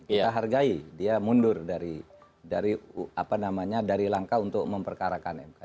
kita hargai dia mundur dari langkah untuk memperkarakan mk